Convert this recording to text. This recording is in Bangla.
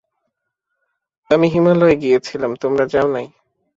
আমি হিমালয়ে গিয়াছিলাম, তোমরা যাও নাই।